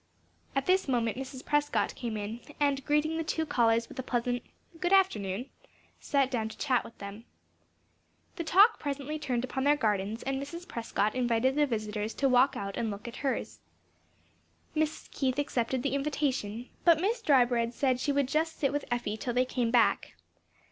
At this moment Mrs. Prescott came in and greeting the two callers with a pleasant "Good afternoon," sat down to chat with them. The talk presently turned upon their gardens, and Mrs. Prescott invited the visitors to walk out and look at hers. Mrs. Keith accepted the invitation, but Miss Drybread said she would just sit with Effie till they came back.